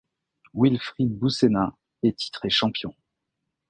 Wilfried Boucenna est titré champion.